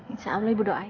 insya allah ibu doain